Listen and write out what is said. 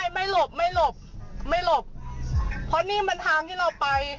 ไม่ไม่หลบไม่หลบไม่หลบเพราะนี่มันทางที่เราไป